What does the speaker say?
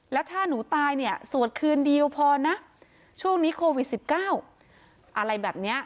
แล้วถ้าหนูตายเนี่ยสวดคืนเดียวพอนะช่วงนี้โควิด๑๙อะไรแบบนี้